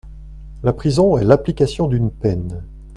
La prison est l’application d’une peine.